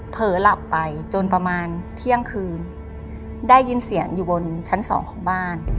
เผลอหลับไปจนประมาณเที่ยงคืนได้ยินเสียงอยู่บนชั้นสองของบ้าน